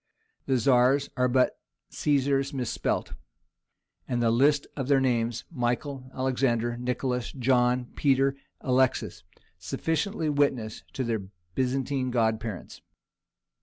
The Tzars are but Caesars misspelt, and the list of their names—Michael, Alexander, Nicholas, John, Peter, Alexis—sufficiently witnesses to their Byzantine godparents.